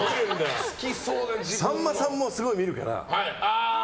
さんまさんも、すごい見るから。